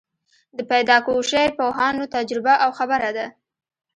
د پیداکوژۍ پوهانو تجربه او خبره ده.